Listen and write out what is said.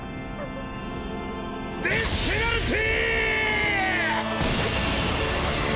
デスペナルティ！！